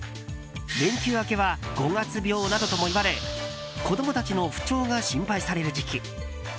連休明けは五月病などとも言われ子供たちも不調が心配される時期。